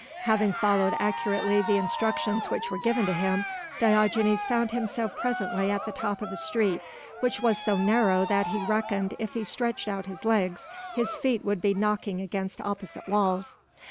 Having followed accurately the instructions which were given to him, Diogenes found himself presently at the top of a street which was so narrow that he reckoned if he stretched out his legs, his feet would be knocking against opposite walls.